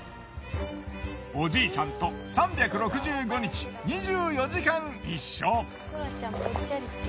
おじいちゃんと３６５日２４時間一緒。